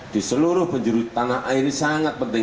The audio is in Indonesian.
di seluruh penjuru tanah air ini sangat penting